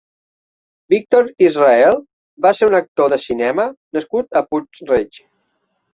Víctor Israel va ser un actor de cinema nascut a Puig-reig.